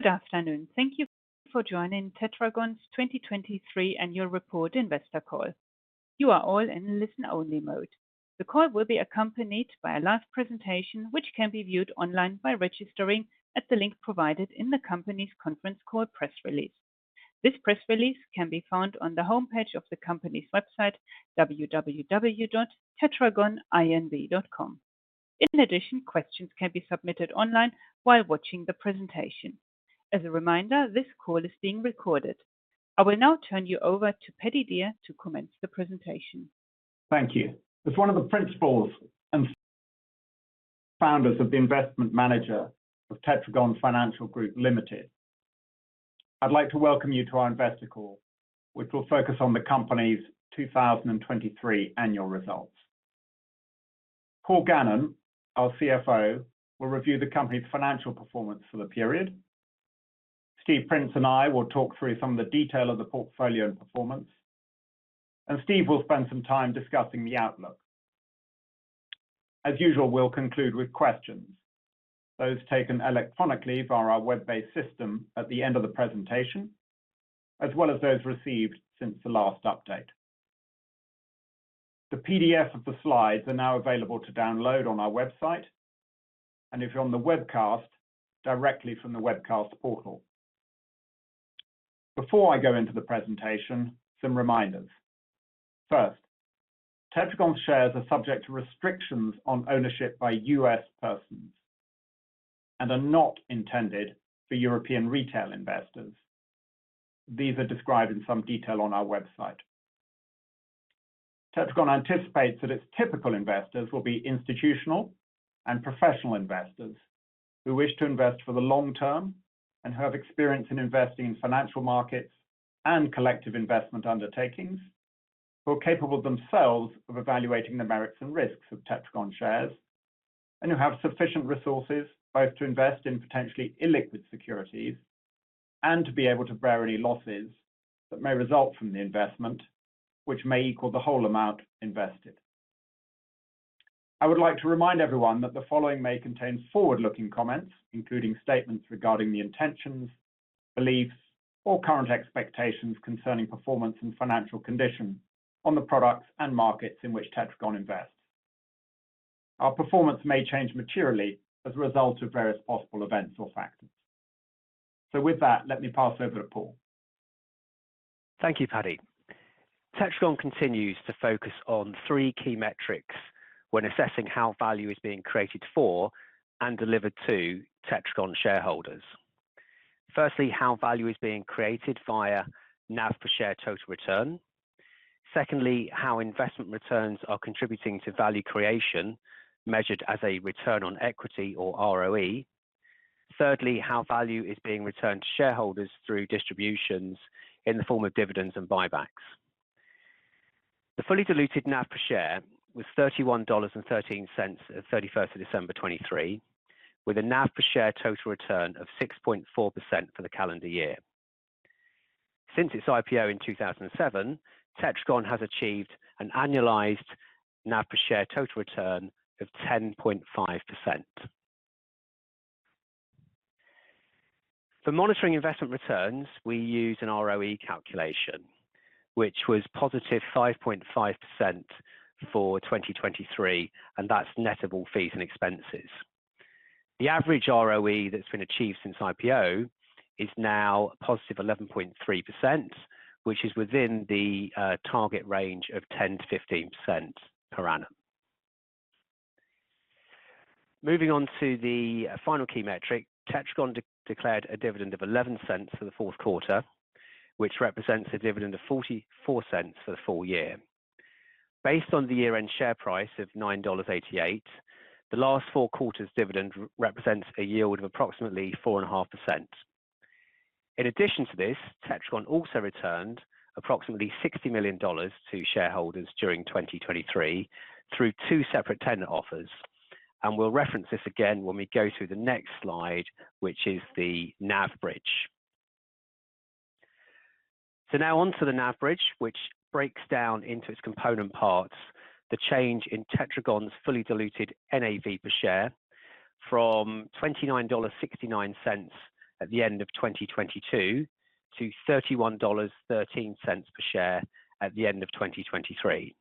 Good afternoon. Thank you for joining Tetragon's 2023 Annual Report Investor Call. You are all in listen-only mode. The call will be accompanied by a live presentation which can be viewed online by registering at the link provided in the company's conference call press release. This press release can be found on the homepage of the company's website, www.tetragoninv.com. In addition, questions can be submitted online while watching the presentation. As a reminder, this call is being recorded. I will now turn you over to Paddy Dear to commence the presentation. Thank you. As one of the principals and founders of the investment manager of Tetragon Financial Group Limited, I'd like to welcome you to our investor call, which will focus on the company's 2023 annual results. Paul Gannon, our CFO, will review the company's financial performance for the period. Steve Prince and I will talk through some of the detail of the portfolio and performance, and Steve will spend some time discussing the outlook. As usual, we'll conclude with questions. Those taken electronically via our web-based system at the end of the presentation, as well as those received since the last update. The PDF of the slides are now available to download on our website, and if you're on the webcast, directly from the webcast portal. Before I go into the presentation, some reminders. First, Tetragon's shares are subject to restrictions on ownership by U.S. persons and are not intended for European retail investors. These are described in some detail on our website. Tetragon anticipates that its typical investors will be institutional and professional investors who wish to invest for the long term and who have experience in investing in financial markets and collective investment undertakings, who are capable themselves of evaluating the merits and risks of Tetragon shares, and who have sufficient resources both to invest in potentially illiquid securities and to be able to bear any losses that may result from the investment, which may equal the whole amount invested. I would like to remind everyone that the following may contain forward-looking comments, including statements regarding the intentions, beliefs, or current expectations concerning performance and financial condition on the products and markets in which Tetragon invests. Our performance may change materially as a result of various possible events or factors. So with that, let me pass over to Paul. Thank you, Paddy. Tetragon continues to focus on three key metrics when assessing how value is being created for and delivered to Tetragon shareholders. Firstly, how value is being created via NAV per share total return. Secondly, how investment returns are contributing to value creation measured as a return on equity or ROE. Thirdly, how value is being returned to shareholders through distributions in the form of dividends and buybacks. The fully diluted NAV per share was $31.13 of 31 December 2023, with a NAV per share total return of 6.4% for the calendar year. Since its IPO in 2007, Tetragon has achieved an annualized NAV per share total return of 10.5%. For monitoring investment returns, we use an ROE calculation, which was +5.5% for 2023, and that's net of all fees and expenses. The average ROE that's been achieved since IPO is now positive 11.3%, which is within the target range of 10%-15% per annum. Moving on to the final key metric, Tetragon declared a dividend of $0.11 for the fourth quarter, which represents a dividend of $0.44 for the full year. Based on the year-end share price of $9.88, the last four quarters' dividend represents a yield of approximately 4.5%. In addition to this, Tetragon also returned approximately $60 million to shareholders during 2023 through two separate tender offers, and we'll reference this again when we go through the next slide, which is the NAV bridge. Now on to the NAV bridge, which breaks down into its component parts, the change in Tetragon's fully diluted NAV per share from $29.69 at the end of 2022 to $31.13 per share at the end of 2023.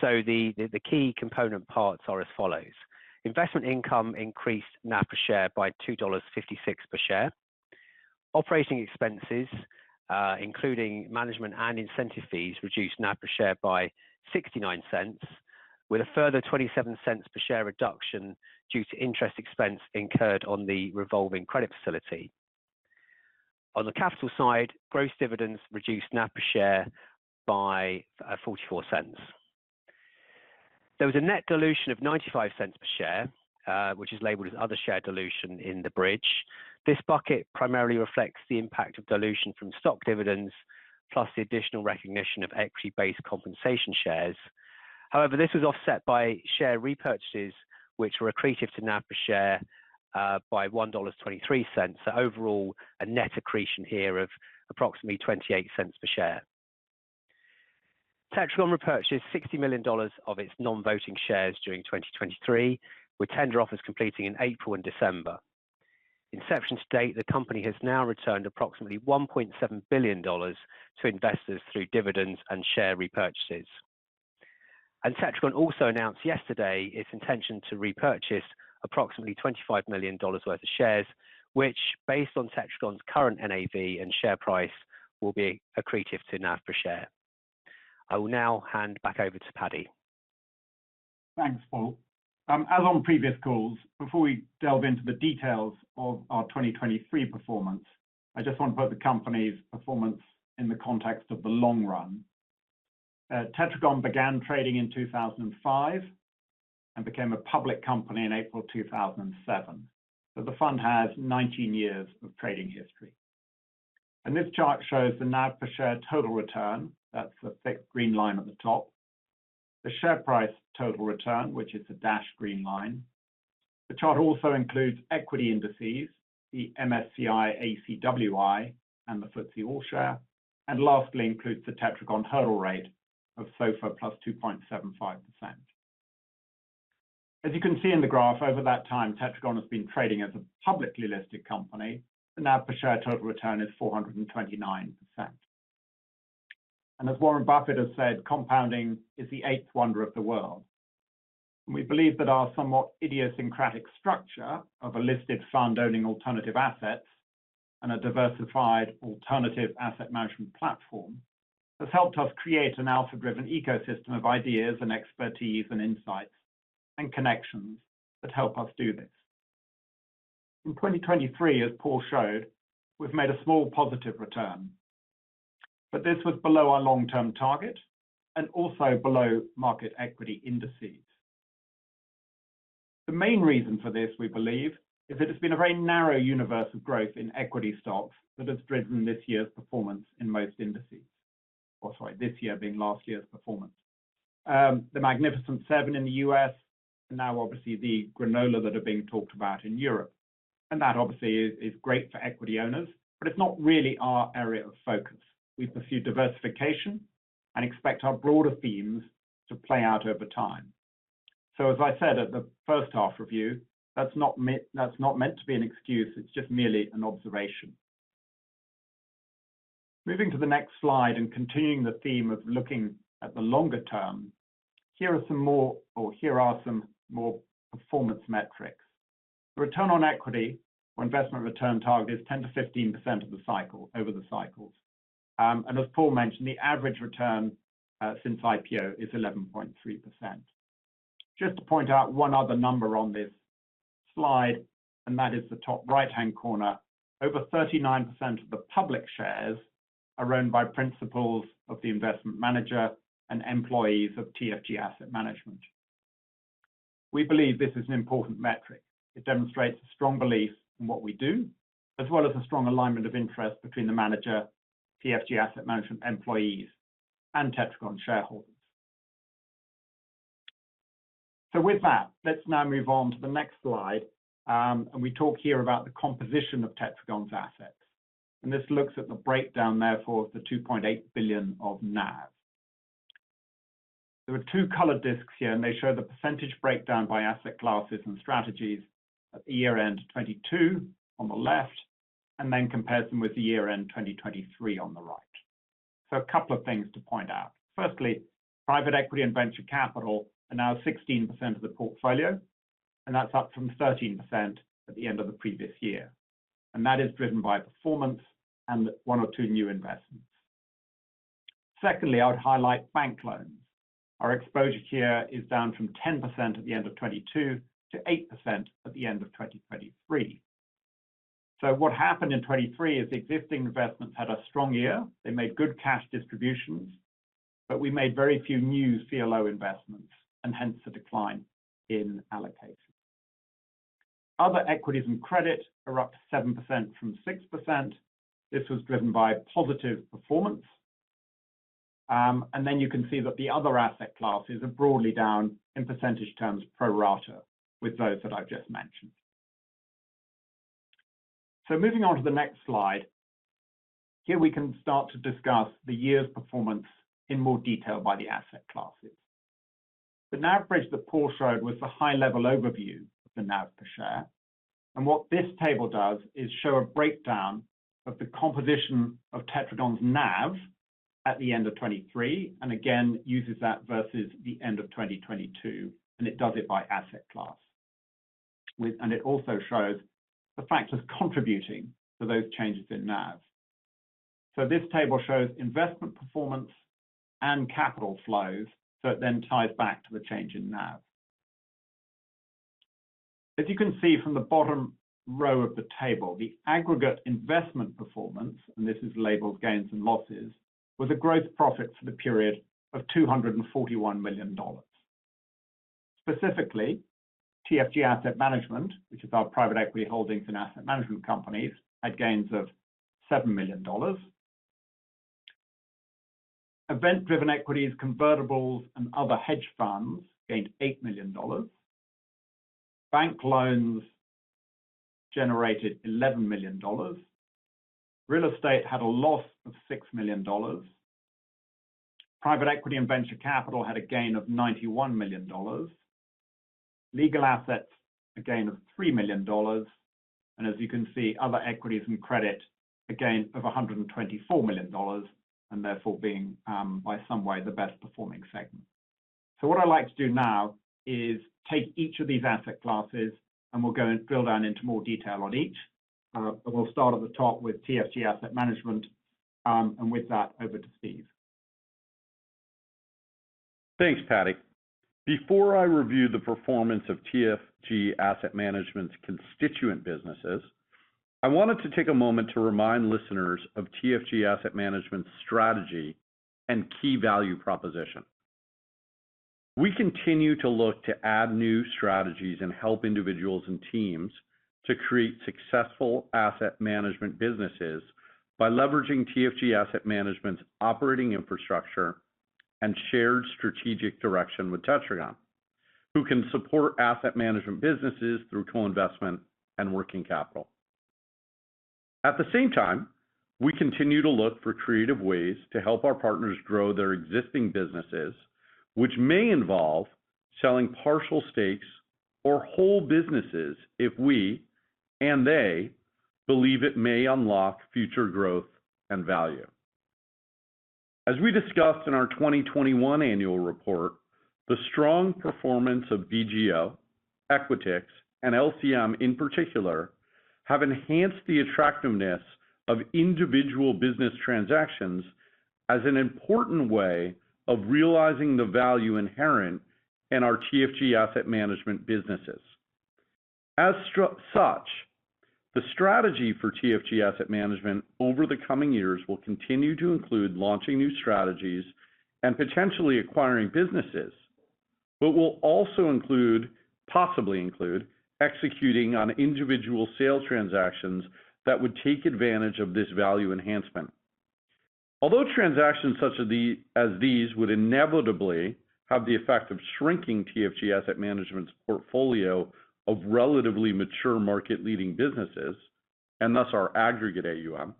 The key component parts are as follows. Investment income increased NAV per share by $2.56 per share. Operating expenses, including management and incentive fees, reduced NAV per share by $0.69, with a further $0.27 per share reduction due to interest expense incurred on the revolving credit facility. On the capital side, gross dividends reduced NAV per share by $0.44. There was a net dilution of $0.95 per share, which is labeled as other share dilution in the bridge. This bucket primarily reflects the impact of dilution from stock dividends, plus the additional recognition of equity-based compensation shares. However, this was offset by share repurchases, which were accretive to NAV per share by $1.23, so overall a net accretion here of approximately $0.28 per share. Tetragon repurchased $60 million of its non-voting shares during 2023, with tender offers completing in April and December. Inception to date, the company has now returned approximately $1.7 billion to investors through dividends and share repurchases. Tetragon also announced yesterday its intention to repurchase approximately $25 million worth of shares, which, based on Tetragon's current NAV and share price, will be accretive to NAV per share. I will now hand back over to Paddy. Thanks, Paul. As on previous calls, before we delve into the details of our 2023 performance, I just want to put the company's performance in the context of the long run. Tetragon began trading in 2005 and became a public company in April 2007. So the fund has 19 years of trading history. This chart shows the NAV per share total return. That's the thick green line at the top. The share price total return, which is the dashed green line. The chart also includes equity indices, the MSCI ACWI and the FTSE All-Share, and lastly includes the Tetragon hurdle rate of SOFR plus 2.75%. As you can see in the graph, over that time, Tetragon has been trading as a publicly listed company. The NAV per share total return is 429%. As Warren Buffett has said, compounding is the eighth wonder of the world. We believe that our somewhat idiosyncratic structure of a listed fund owning alternative assets and a diversified alternative asset management platform has helped us create an alpha-driven ecosystem of ideas and expertise and insights and connections that help us do this. In 2023, as Paul showed, we've made a small positive return, but this was below our long-term target and also below market equity indices. The main reason for this, we believe, is it has been a very narrow universe of growth in equity stocks that has driven this year's performance in most indices. Oh, sorry, this year being last year's performance. The Magnificent Seven in the U.S. and now obviously the GRANOLAS that are being talked about in Europe. That obviously is great for equity owners, but it's not really our area of focus. We pursue diversification and expect our broader themes to play out over time. So as I said at the first half review, that's not meant to be an excuse. It's just merely an observation. Moving to the next slide and continuing the theme of looking at the longer term, here are some more or here are some more performance metrics. The return on equity or investment return target is 10%-15% over the cycles. And as Paul mentioned, the average return since IPO is 11.3%. Just to point out one other number on this slide, and that is the top right-hand corner, over 39% of the public shares are owned by principals of the investment manager and employees of TFG Asset Management. We believe this is an important metric. It demonstrates a strong belief in what we do, as well as a strong alignment of interest between the manager, TFG Asset Management employees, and Tetragon shareholders. So with that, let's now move on to the next slide. We talk here about the composition of Tetragon's assets. This looks at the breakdown, therefore, of the $2.8 billion of NAV. There were two colored discs here, and they show the percentage breakdown by asset classes and strategies at the year-end 2022 on the left and then compares them with the year-end 2023 on the right. So a couple of things to point out. Firstly, private equity and venture capital are now 16% of the portfolio, and that's up from 13% at the end of the previous year. That is driven by performance and one or two new investments. Secondly, I would highlight bank loans. Our exposure here is down from 10% at the end of 2022 to 8% at the end of 2023. So what happened in 2023 is existing investments had a strong year. They made good cash distributions, but we made very few new CLO investments and hence a decline in allocation. Other equities and credit are up to 7% from 6%. This was driven by positive performance. Then you can see that the other asset classes are broadly down in percentage terms pro rata with those that I've just mentioned. Moving on to the next slide, here we can start to discuss the year's performance in more detail by the asset classes. The NAV bridge that Paul showed was the high-level overview of the NAV per share. What this table does is show a breakdown of the composition of Tetragon's NAV at the end of 2023 and again uses that versus the end of 2022. It does it by asset class. It also shows the factors contributing to those changes in NAV. This table shows investment performance and capital flows, so it then ties back to the change in NAV. As you can see from the bottom row of the table, the aggregate investment performance, and this is labeled gains and losses, was a gross profit for the period of $241 million. Specifically, TFG Asset Management, which is our private equity holdings and asset management companies, had gains of $7 million. Event-driven equities, convertibles, and other hedge funds gained $8 million. Bank loans generated $11 million. Real estate had a loss of $6 million. Private equity and venture capital had a gain of $91 million. Legal assets a gain of $3 million. And as you can see, other equities and credit a gain of $124 million and therefore being by some way the best performing segment. What I'd like to do now is take each of these asset classes, and we'll go and drill down into more detail on each. We'll start at the top with TFG Asset Management. With that, over to Steve. Thanks, Paddy. Before I review the performance of TFG Asset Management's constituent businesses, I wanted to take a moment to remind listeners of TFG Asset Management's strategy and key value proposition. We continue to look to add new strategies and help individuals and teams to create successful asset management businesses by leveraging TFG Asset Management's operating infrastructure and shared strategic direction with Tetragon, who can support asset management businesses through co-investment and working capital. At the same time, we continue to look for creative ways to help our partners grow their existing businesses, which may involve selling partial stakes or whole businesses if we and they believe it may unlock future growth and value. As we discussed in our 2021 annual report, the strong performance of BGO, Equitix, and LCM in particular have enhanced the attractiveness of individual business transactions as an important way of realizing the value inherent in our TFG Asset Management businesses. As such, the strategy for TFG Asset Management over the coming years will continue to include launching new strategies and potentially acquiring businesses, but will also include, possibly include, executing on individual sale transactions that would take advantage of this value enhancement. Although transactions such as these would inevitably have the effect of shrinking TFG Asset Management's portfolio of relatively mature market-leading businesses and thus our aggregate AUM,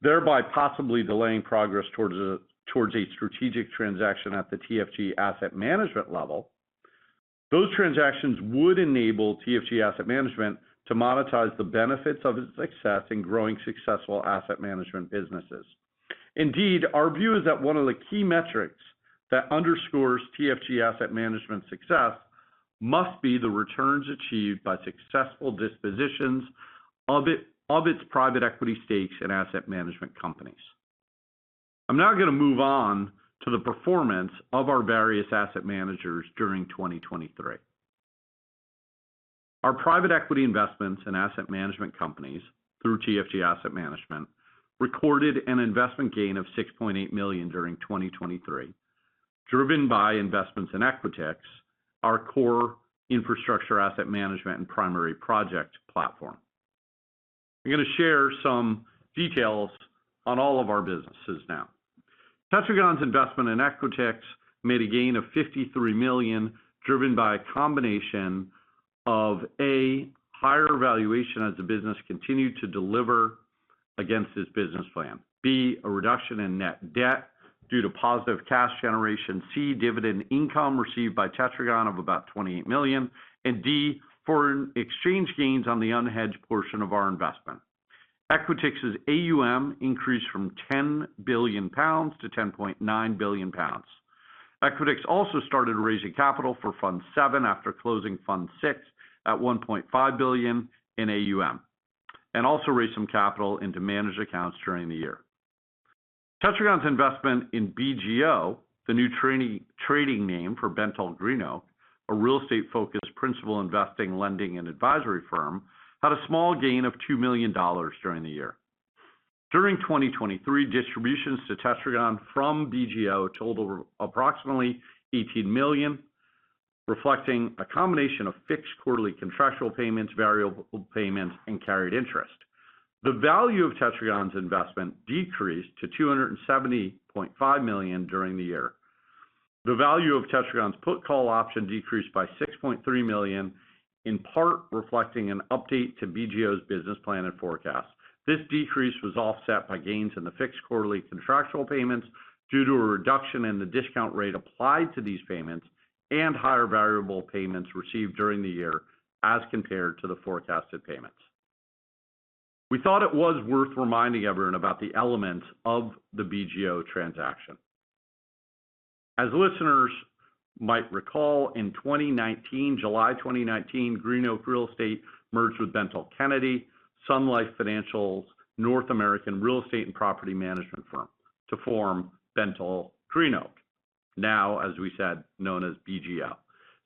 thereby possibly delaying progress towards a strategic transaction at the TFG Asset Management level, those transactions would enable TFG Asset Management to monetize the benefits of its success in growing successful asset management businesses. Indeed, our view is that one of the key metrics that underscores TFG Asset Management's success must be the returns achieved by successful dispositions of its private equity stakes in asset management companies. I'm now going to move on to the performance of our various asset managers during 2023. Our private equity investments in asset management companies through TFG Asset Management recorded an investment gain of $6.8 million during 2023, driven by investments in Equitix, our core infrastructure asset management and primary project platform. I'm going to share some details on all of our businesses now. Tetragon's investment in Equitix made a gain of 53 million, driven by a combination of, A, higher valuation as the business continued to deliver against its business plan, B, a reduction in net debt due to positive cash generation, C, dividend income received by Tetragon of about 28 million, and D, foreign exchange gains on the unhedged portion of our investment. Equitix's AUM increased from 10 billion pounds to 10.9 billion pounds. Equitix also started raising capital for Fund 7 after closing Fund 6 at 1.5 billion in AUM and also raised some capital into managed accounts during the year. Tetragon's investment in BGO, the new trading name for BentallGreenOak, a real estate-focused principal investing, lending, and advisory firm, had a small gain of $2 million during the year. During 2023, distributions to Tetragon from BGO totaled approximately $18 million, reflecting a combination of fixed quarterly contractual payments, variable payments, and carried interest. The value of Tetragon's investment decreased to $270.5 million during the year. The value of Tetragon's put-call option decreased by $6.3 million, in part reflecting an update to BGO's business plan and forecast. This decrease was offset by gains in the fixed quarterly contractual payments due to a reduction in the discount rate applied to these payments and higher variable payments received during the year as compared to the forecasted payments. We thought it was worth reminding everyone about the elements of the BGO transaction. As listeners might recall, in July 2019, GreenOak Real Estate merged with Bentall Kennedy, Sun Life Financial, North American Real Estate and Property Management firm to form BentallGreenOak, now, as we said, known as BGO.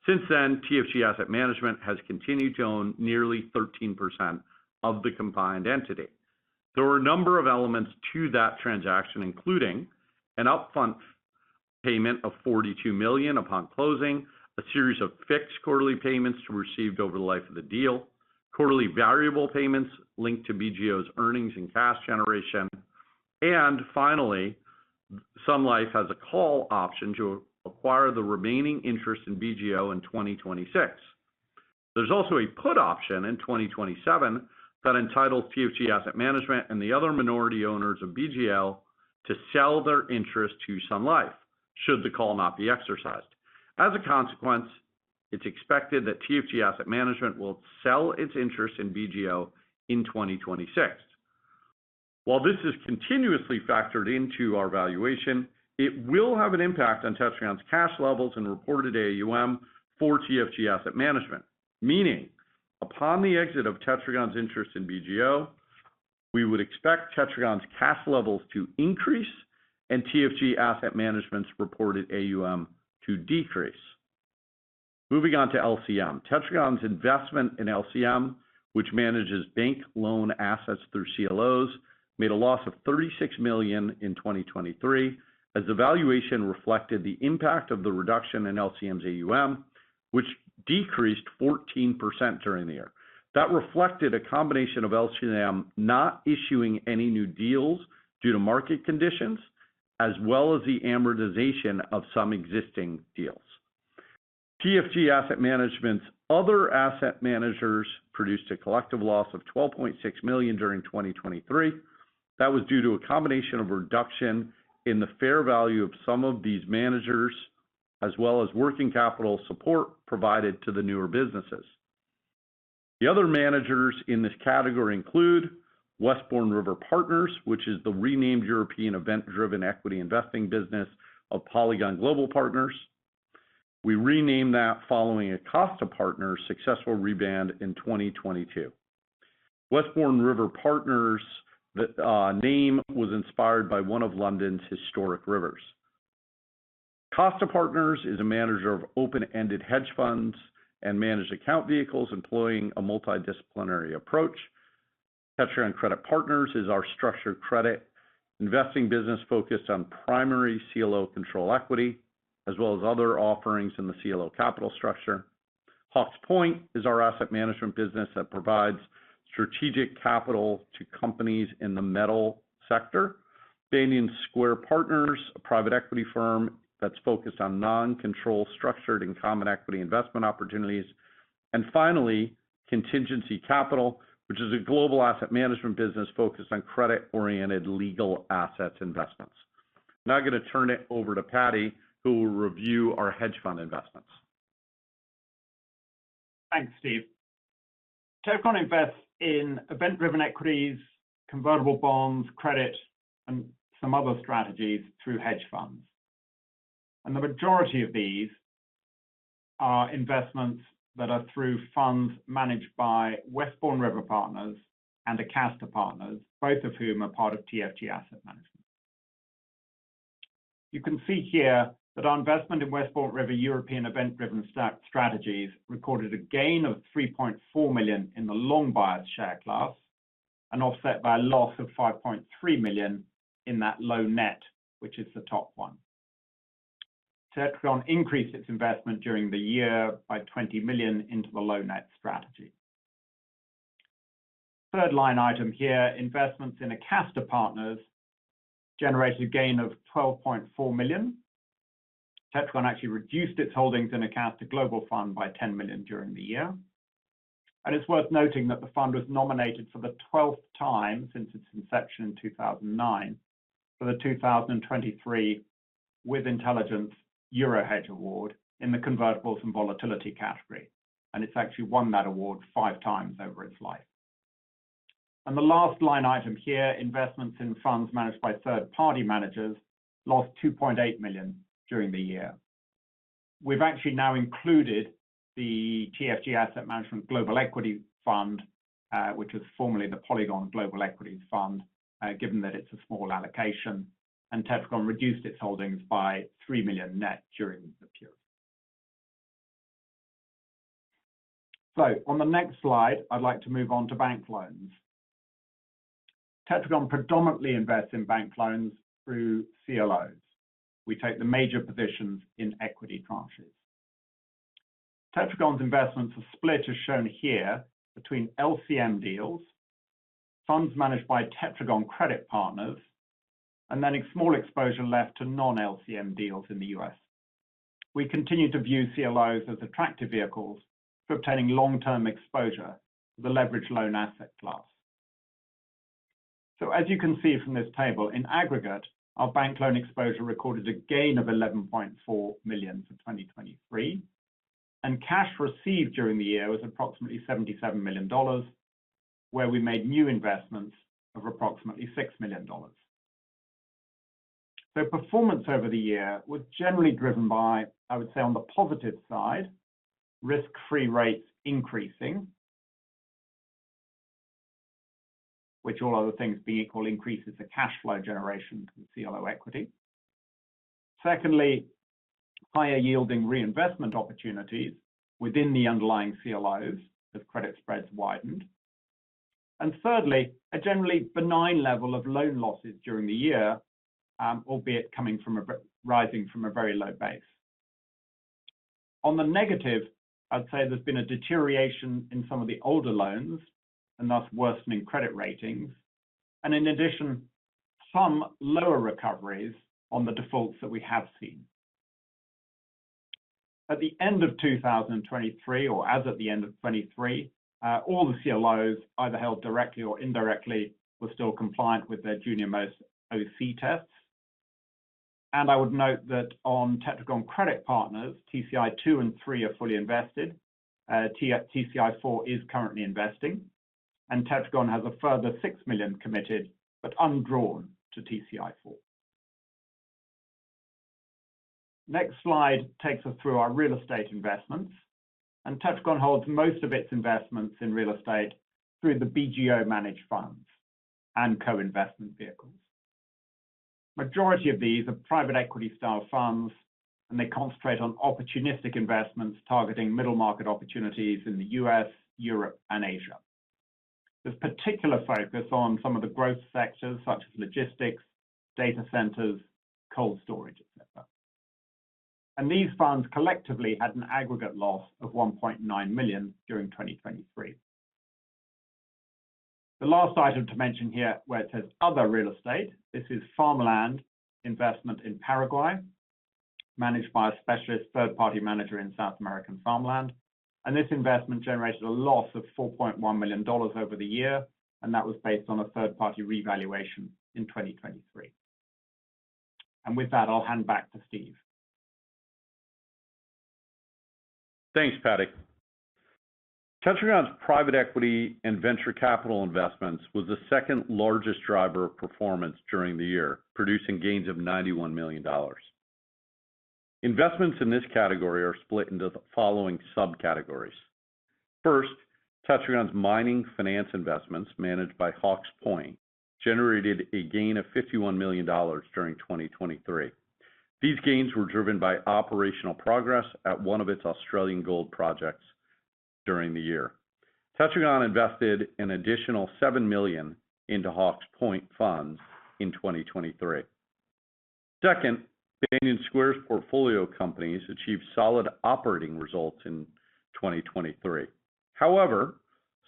Since then, TFG Asset Management has continued to own nearly 13% of the combined entity. There were a number of elements to that transaction, including an upfront payment of $42 million upon closing, a series of fixed quarterly payments to be received over the life of the deal, quarterly variable payments linked to BGO's earnings and cash generation, and finally, Sun Life has a call option to acquire the remaining interest in BGO in 2026. There's also a put option in 2027 that entitles TFG Asset Management and the other minority owners of BGO to sell their interest to Sun Life should the call not be exercised. As a consequence, it's expected that TFG Asset Management will sell its interest in BGO in 2026. While this is continuously factored into our valuation, it will have an impact on Tetragon's cash levels and reported AUM for TFG Asset Management, meaning upon the exit of Tetragon's interest in BGO, we would expect Tetragon's cash levels to increase and TFG Asset Management's reported AUM to decrease. Moving on to LCM, Tetragon's investment in LCM, which manages bank loan assets through CLOs, made a loss of $36 million in 2023 as the valuation reflected the impact of the reduction in LCM's AUM, which decreased 14% during the year. That reflected a combination of LCM not issuing any new deals due to market conditions as well as the amortization of some existing deals. TFG Asset Management's other asset managers produced a collective loss of $12.6 million during 2023. That was due to a combination of reduction in the fair value of some of these managers as well as working capital support provided to the newer businesses. The other managers in this category include Westbourne River Partners, which is the renamed European event-driven equity investing business of Polygon Global Partners. We renamed that following Acasta Partners' successful rebrand in 2022. Westbourne River Partners' name was inspired by one of London's historic rivers. Acasta Partners is a manager of open-ended hedge funds and managed account vehicles employing a multidisciplinary approach. Tetragon Credit Partners is our structured credit investing business focused on primary CLO control equity as well as other offerings in the CLO capital structure. Hawke's Point is our asset management business that provides strategic capital to companies in the metal sector. Banyan Square Partners, a private equity firm that's focused on non-controlled structured and common equity investment opportunities. Finally, Contingency Capital, which is a global asset management business focused on credit-oriented legal assets investments. Now I'm going to turn it over to Paddy, who will review our hedge fund investments. Thanks, Steve. Tetragon invests in event-driven equities, convertible bonds, credit, and some other strategies through hedge funds. The majority of these are investments that are through funds managed by Westbourne River Partners and Acasta Partners, both of whom are part of TFG Asset Management. You can see here that our investment in Westbourne River European event-driven strategies recorded a gain of $3.4 million in the long bias share class and offset by a loss of $5.3 million in that low net, which is the top one. Tetragon increased its investment during the year by $20 million into the low net strategy. Third line item here, investments in Acasta Partners generated a gain of $12.4 million. Tetragon actually reduced its holdings in Acasta Global Fund by $10 million during the year. It's worth noting that the fund was nominated for the 12th time since its inception in 2009 for the 2023 With Intelligence EuroHedge Award in the convertibles and volatility category. It's actually won that award five times over its life. The last line item here, investments in funds managed by third-party managers lost $2.8 million during the year. We've actually now included the TFG Asset Management Global Equity Fund, which is formerly the Polygon Global Equities Fund, given that it's a small allocation. Tetragon reduced its holdings by $3 million net during the period. On the next slide, I'd like to move on to bank loans. Tetragon predominantly invests in bank loans through CLOs. We take the major positions in equity tranches. Tetragon's investments are split, as shown here, between LCM deals, funds managed by Tetragon Credit Partners, and then a small exposure left to non-LCM deals in the U.S. We continue to view CLOs as attractive vehicles for obtaining long-term exposure to the leveraged loan asset class. As you can see from this table, in aggregate, our bank loan exposure recorded a gain of $11.4 million for 2023. Cash received during the year was approximately $77 million, where we made new investments of approximately $6 million. Performance over the year was generally driven by, I would say, on the positive side, risk-free rates increasing, which, all other things being equal, increases the cash flow generation to the CLO equity. Secondly, higher yielding reinvestment opportunities within the underlying CLOs as credit spreads widened. And thirdly, a generally benign level of loan losses during the year, albeit rising from a very low base. On the negative, I'd say there's been a deterioration in some of the older loans and thus worsening credit ratings. In addition, some lower recoveries on the defaults that we have seen. At the end of 2023, or as at the end of 2023, all the CLOs, either held directly or indirectly, were still compliant with their junior most OC tests. I would note that on Tetragon Credit Partners, TCI II and III are fully invested. TCI IV is currently investing. Tetragon has a further $6 million committed but undrawn to TCI IV. Next slide takes us through our real estate investments. Tetragon holds most of its investments in real estate through the BGO managed funds and co-investment vehicles. Majority of these are private equity-style funds, and they concentrate on opportunistic investments targeting middle-market opportunities in the U.S., Europe, and Asia. There's particular focus on some of the growth sectors such as logistics, data centers, cold storage, etc. These funds collectively had an aggregate loss of $1.9 million during 2023. The last item to mention here where it says other real estate, this is farmland investment in Paraguay managed by a specialist third-party manager in South American farmland. This investment generated a loss of $4.1 million over the year. That was based on a third-party revaluation in 2023. With that, I'll hand back to Steve. Thanks, Paddy. Tetragon's private equity and venture capital investments was the second largest driver of performance during the year, producing gains of $91 million. Investments in this category are split into the following subcategories. First, Tetragon's mining finance investments managed by Hawke's Point generated a gain of $51 million during 2023. These gains were driven by operational progress at one of its Australian gold projects during the year. Tetragon invested an additional $7 million into Hawke's Point funds in 2023. Second, Banyan Square's portfolio companies achieved solid operating results in 2023. However,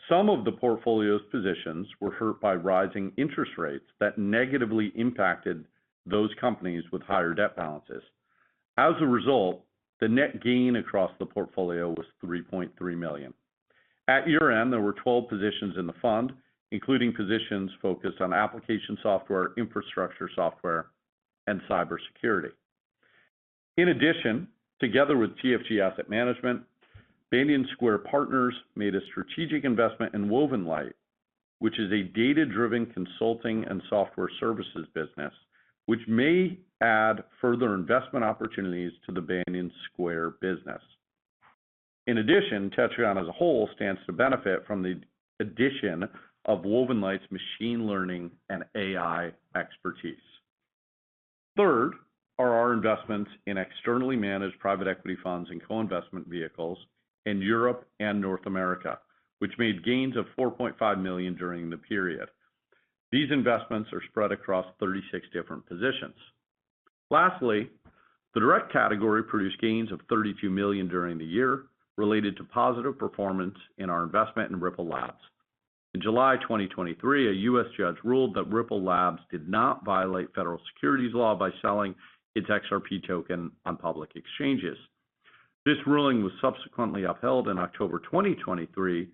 some of the portfolio's positions were hurt by rising interest rates that negatively impacted those companies with higher debt balances. As a result, the net gain across the portfolio was $3.3 million. At year-end, there were 12 positions in the fund, including positions focused on application software, infrastructure software, and cybersecurity. In addition, together with TFG Asset Management, Banyan Square Partners made a strategic investment in WovenLight, which is a data-driven consulting and software services business, which may add further investment opportunities to the Banyan Square business. In addition, Tetragon as a whole stands to benefit from the addition of WovenLight's machine learning and AI expertise. Third are our investments in externally managed private equity funds and co-investment vehicles in Europe and North America, which made gains of $4.5 million during the period. These investments are spread across 36 different positions. Lastly, the direct category produced gains of $32 million during the year related to positive performance in our investment in Ripple Labs. In July 2023, a U.S. judge ruled that Ripple Labs did not violate federal securities law by selling its XRP token on public exchanges. This ruling was subsequently upheld in October 2023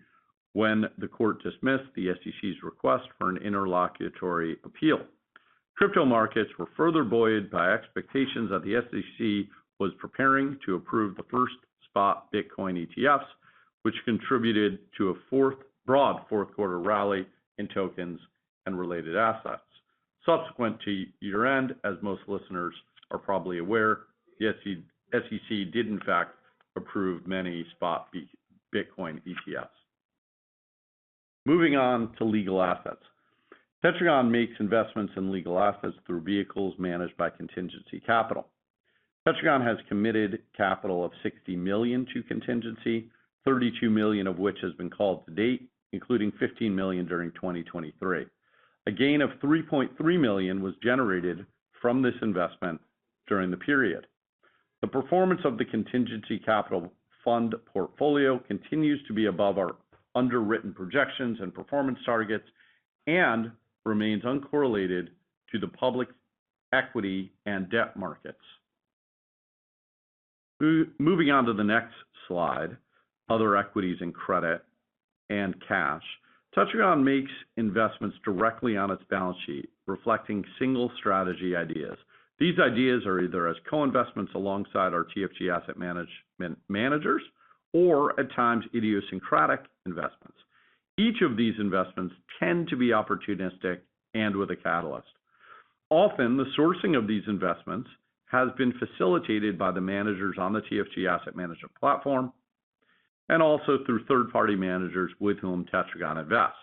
when the court dismissed the SEC's request for an interlocutory appeal. Crypto markets were further buoyed by expectations that the SEC was preparing to approve the first spot Bitcoin ETFs, which contributed to a broad fourth-quarter rally in tokens and related assets. Subsequent to year-end, as most listeners are probably aware, the SEC did, in fact, approve many spot Bitcoin ETFs. Moving on to legal assets. Tetragon makes investments in legal assets through vehicles managed by Contingency Capital. Tetragon has committed capital of $60 million to Contingency, $32 million of which has been called to date, including $15 million during 2023. A gain of $3.3 million was generated from this investment during the period. The performance of the Contingency Capital Fund portfolio continues to be above our underwritten projections and performance targets and remains uncorrelated to the public equity and debt markets. Moving on to the next slide, other equities and credit and cash, Tetragon makes investments directly on its balance sheet, reflecting single strategy ideas. These ideas are either as co-investments alongside our TFG Asset Management managers or at times idiosyncratic investments. Each of these investments tends to be opportunistic and with a catalyst. Often, the sourcing of these investments has been facilitated by the managers on the TFG Asset Management platform and also through third-party managers with whom Tetragon invests.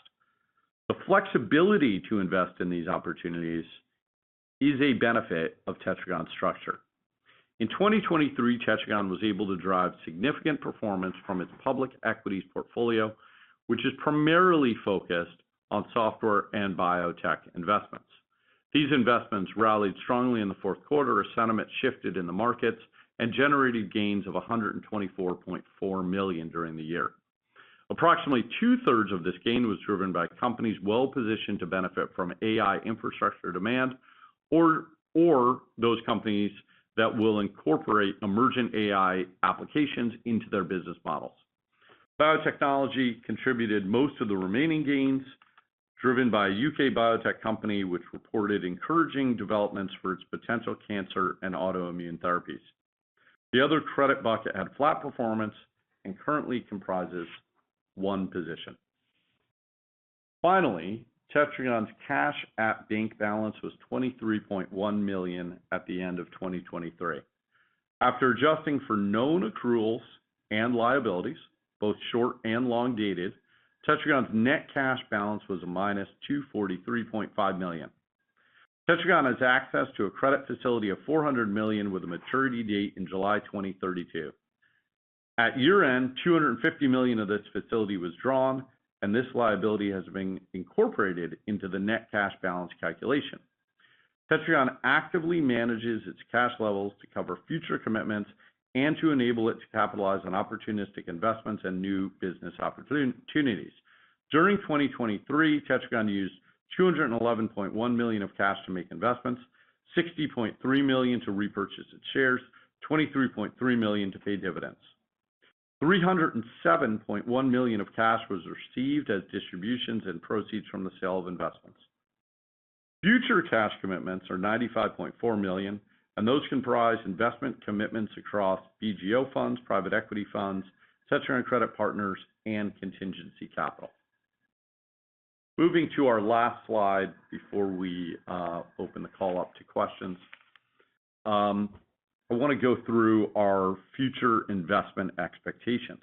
The flexibility to invest in these opportunities is a benefit of Tetragon's structure. In 2023, Tetragon was able to drive significant performance from its public equities portfolio, which is primarily focused on software and biotech investments. These investments rallied strongly in the fourth quarter as sentiment shifted in the markets and generated gains of $124.4 million during the year. Approximately two-thirds of this gain was driven by companies well positioned to benefit from AI infrastructure demand or those companies that will incorporate emergent AI applications into their business models. Biotechnology contributed most of the remaining gains, driven by a U.K. biotech company which reported encouraging developments for its potential cancer and autoimmune therapies. The other credit bucket had flat performance and currently comprises one position. Finally, Tetragon's cash at bank balance was $23.1 million at the end of 2023. After adjusting for known accruals and liabilities, both short and long dated, Tetragon's net cash balance was -$243.5 million. Tetragon has access to a credit facility of $400 million with a maturity date in July 2032. At year-end, $250 million of this facility was drawn, and this liability has been incorporated into the net cash balance calculation. Tetragon actively manages its cash levels to cover future commitments and to enable it to capitalize on opportunistic investments and new business opportunities. During 2023, Tetragon used $211.1 million of cash to make investments, $60.3 million to repurchase its shares, and $23.3 million to pay dividends. $307.1 million of cash was received as distributions and proceeds from the sale of investments. Future cash commitments are $95.4 million, and those comprise investment commitments across BGO funds, private equity funds, Tetragon Credit Partners, and Contingency Capital. Moving to our last slide before we open the call up to questions, I want to go through our future investment expectations.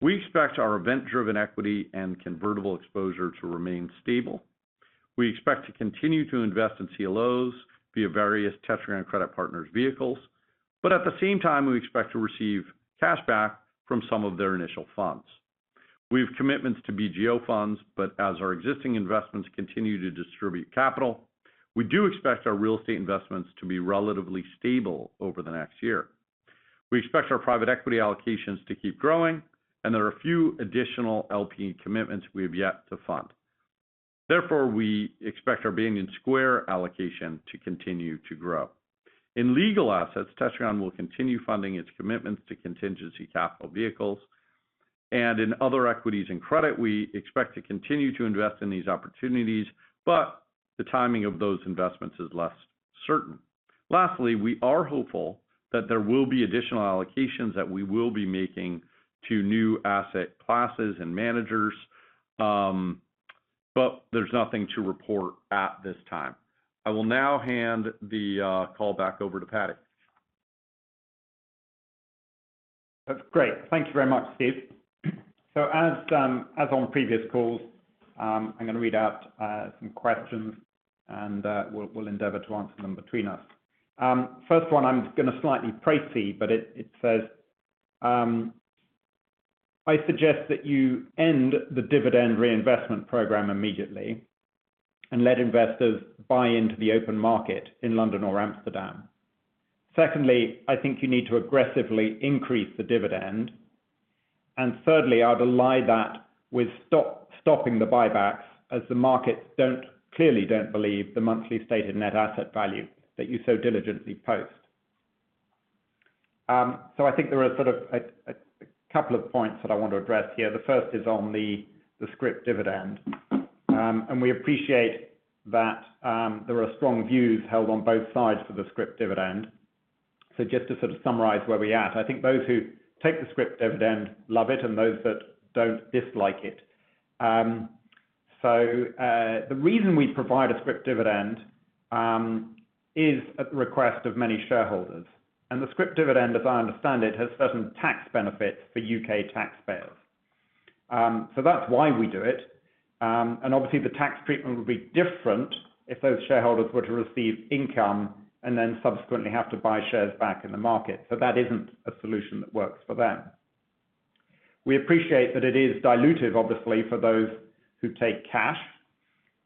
We expect our event-driven equity and convertible exposure to remain stable. We expect to continue to invest in CLOs via various Tetragon Credit Partners vehicles. But at the same time, we expect to receive cashback from some of their initial funds. We have commitments to BGO funds, but as our existing investments continue to distribute capital, we do expect our real estate investments to be relatively stable over the next year. We expect our private equity allocations to keep growing, and there are a few additional LP commitments we have yet to fund. Therefore, we expect our Banyan Square allocation to continue to grow. In legal assets, Tetragon will continue funding its commitments to Contingency Capital vehicles. And in other equities and credit, we expect to continue to invest in these opportunities, but the timing of those investments is less certain. Lastly, we are hopeful that there will be additional allocations that we will be making to new asset classes and managers. But there's nothing to report at this time. I will now hand the call back over to Paddy. Great. Thank you very much, Steve. So as on previous calls, I'm going to read out some questions, and we'll endeavor to answer them between us. First one, I'm going to slightly précis, but it says, "I suggest that you end the dividend reinvestment program immediately and let investors buy into the open market in London or Amsterdam. Secondly, I think you need to aggressively increase the dividend. And thirdly, I would align that with stopping the buybacks as the markets clearly don't believe the monthly stated Net Asset Value that you so diligently post." So I think there are sort of a couple of points that I want to address here. The first is on the scrip dividend. And we appreciate that there are strong views held on both sides for the scrip dividend. So just to sort of summarise where we're at, I think those who take the scrip dividend love it and those that don't dislike it. The reason we provide a scrip dividend is at the request of many shareholders. And the scrip dividend, as I understand it, has certain tax benefits for U.K. taxpayers. That's why we do it. And obviously, the tax treatment would be different if those shareholders were to receive income and then subsequently have to buy shares back in the market. So that isn't a solution that works for them. We appreciate that it is dilutive, obviously, for those who take cash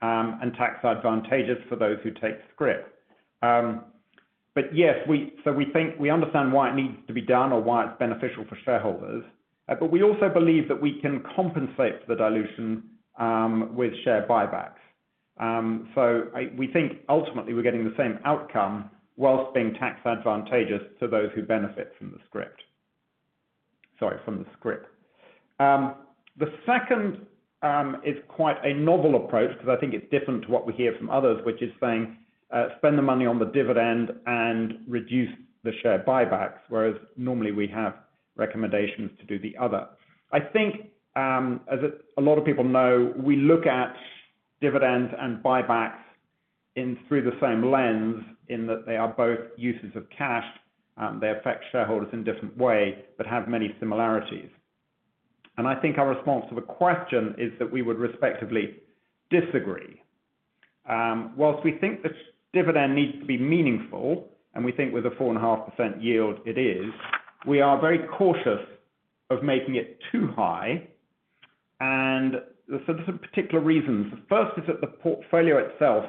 and tax advantageous for those who take scrip. But yes, we understand why it needs to be done or why it's beneficial for shareholders. But we also believe that we can compensate for the dilution with share buybacks. So we think ultimately we're getting the same outcome whilst being tax advantageous to those who benefit from the scrip. Sorry, from the scrip. The second is quite a novel approach because I think it's different to what we hear from others, which is saying, "Spend the money on the dividend and reduce the share buybacks," whereas normally we have recommendations to do the other. I think, as a lot of people know, we look at dividends and buybacks through the same lens in that they are both uses of cash. They affect shareholders in different ways but have many similarities. And I think our response to the question is that we would respectively disagree. Whilst we think the dividend needs to be meaningful and we think with a 4.5% yield it is, we are very cautious of making it too high. And so there's some particular reasons. The first is that the portfolio itself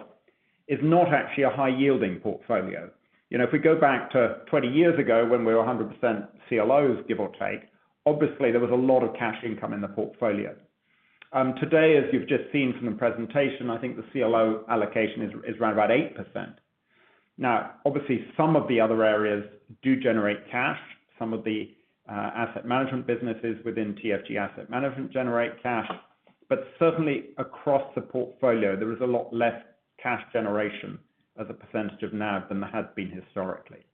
is not actually a high-yielding portfolio. If we go back to 20 years ago when we were 100% CLOs, give or take, obviously, there was a lot of cash income in the portfolio. Today, as you've just seen from the presentation, I think the CLO allocation is around about 8%. Now, obviously, some of the other areas do generate cash. Some of the asset management businesses within TFG Asset Management generate cash. But certainly, across the portfolio, there is a lot less cash generation as a percentage of now than there has been historically.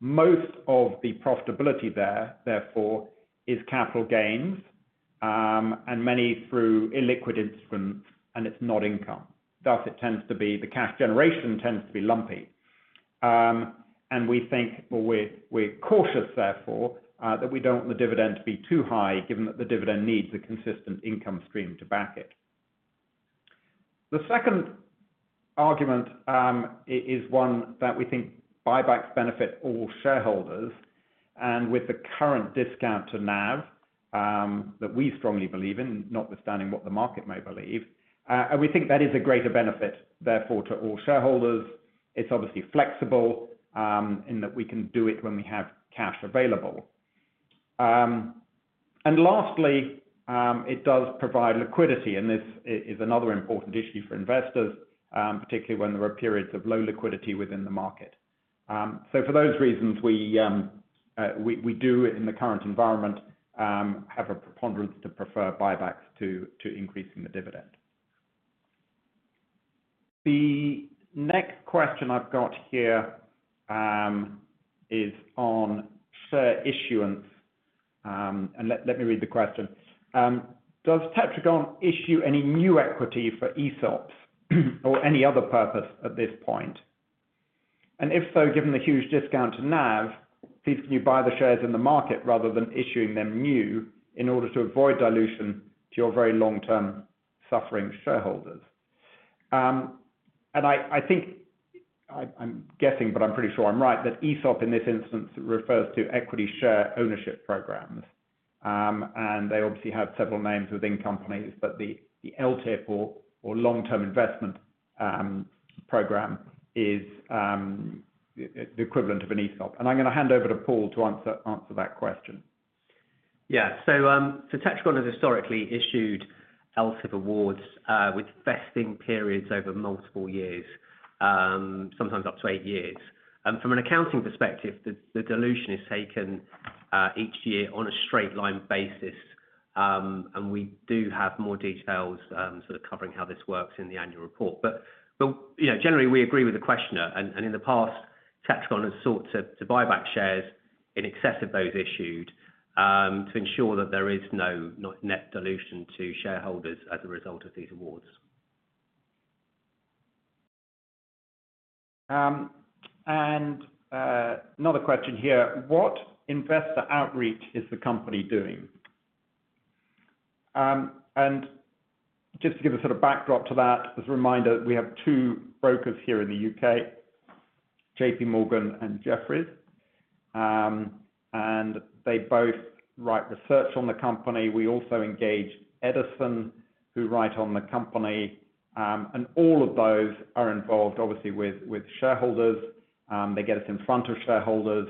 Most of the profitability there, therefore, is capital gains and many through illiquid instruments, and it's not income. Thus, the cash generation tends to be lumpy. And we think, well, we're cautious, therefore, that we don't want the dividend to be too high given that the dividend needs a consistent income stream to back it. The second argument is one that we think buybacks benefit all shareholders. And with the current discount to NAV that we strongly believe in, notwithstanding what the market may believe, we think that is a greater benefit, therefore, to all shareholders. It's obviously flexible in that we can do it when we have cash available. And lastly, it does provide liquidity. And this is another important issue for investors, particularly when there are periods of low liquidity within the market. So, for those reasons, we do, in the current environment, have a preponderance to prefer buybacks to increasing the dividend. The next question I've got here is on share issuance. And let me read the question. Does Tetragon issue any new equity for ESOPs or any other purpose at this point? And if so, given the huge discount to NAV, please can you buy the shares in the market rather than issuing them new in order to avoid dilution to your very long-term suffering shareholders?" And I think I'm guessing, but I'm pretty sure I'm right, that ESOP, in this instance, refers to equity share ownership programs. And they obviously have several names within companies. But the LTIP or long-term incentive program is the equivalent of an ESOP. And I'm going to hand over to Paul to answer that question. Yeah. Tetragon has historically issued LTIP awards with vesting periods over multiple years, sometimes up to eight years. From an accounting perspective, the dilution is taken each year on a straight-line basis. We do have more details sort of covering how this works in the annual report. Generally, we agree with the questioner. In the past, Tetragon has sought to buyback shares in excess of those issued to ensure that there is no net dilution to shareholders as a result of these awards. And another question here. "What investor outreach is the company doing?" And just to give a sort of backdrop to that, as a reminder, we have two brokers here in the U.K., J.P. Morgan and Jefferies. And they both write research on the company. We also engage Edison, who write on the company. And all of those are involved, obviously, with shareholders. They get us in front of shareholders.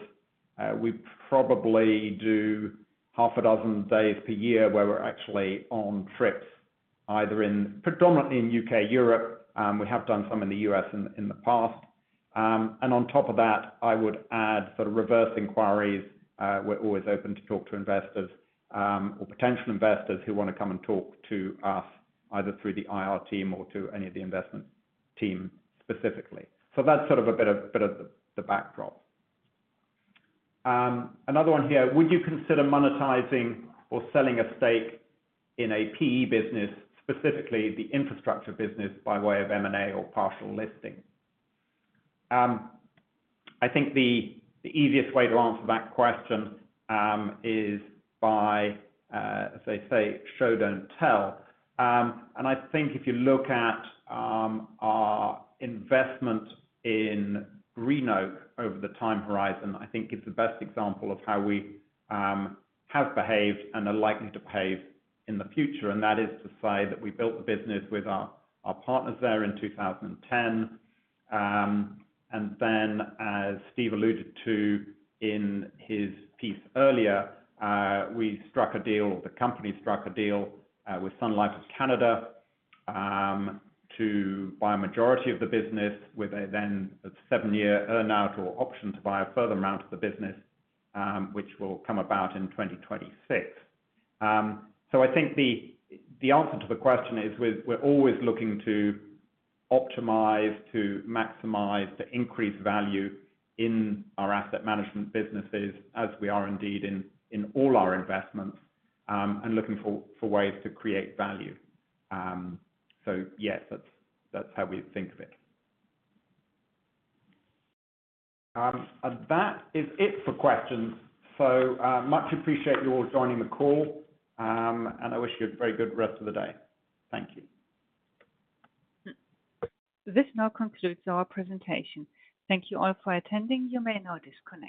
We probably do half a dozen days per year where we're actually on trips, predominantly in U.K., Europe. We have done some in the U.S. in the past. And on top of that, I would add sort of reverse inquiries. We're always open to talk to investors or potential investors who want to come and talk to us either through the IR team or to any of the investment team specifically. So that's sort of a bit of the backdrop. Another one here. "Would you consider monetizing or selling a stake in a PE business, specifically the infrastructure business, by way of M&A or partial listing?" I think the easiest way to answer that question is by, as they say, show, don't tell. I think if you look at our investment in GreenOak over the time horizon, I think it's the best example of how we have behaved and are likely to behave in the future. That is to say that we built the business with our partners there in 2010. Then, as Steve alluded to in his piece earlier, we struck a deal or the company struck a deal with Sun Life Financial to buy a majority of the business with a then seven-year earnout or option to buy a further amount of the business, which will come about in 2026. I think the answer to the question is we're always looking to optimize, to maximize, to increase value in our asset management businesses, as we are indeed in all our investments, and looking for ways to create value. Yes, that's how we think of it. That is it for questions. Much appreciate you all joining the call. I wish you a very good rest of the day. Thank you. This now concludes our presentation. Thank you all for attending. You may now disconnect.